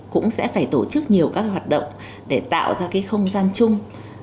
cũng sẽ phải tổ chức nhiều các hoạt động để tạo ra cái không gian chung